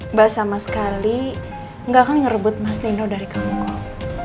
mbak sama sekali gak akan ngerebut mas nino dari kamu kok